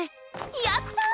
やった！